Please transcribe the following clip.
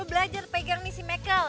lu belajar pegang misi michael